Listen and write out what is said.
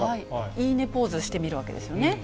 いいねポーズしてみるわけですね。